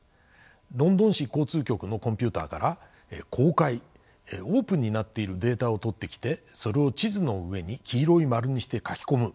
ロンドン市交通局のコンピューターから公開オープンになっているデータを取ってきてそれを地図の上に黄色い丸にして書き込む。